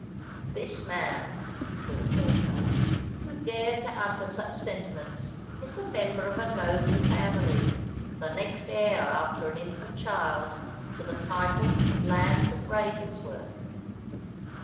"This man," thought Morcar, "who dared to utter such sentiments, is the member of a noble family—the next heir after an infant child, to the title and lands of Ravensworth.